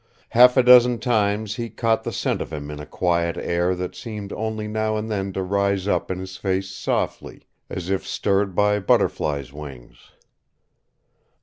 Half a dozen times he caught the scent of him in a quiet air that seemed only now and then to rise up in his face softly, as if stirred by butterflies' wings.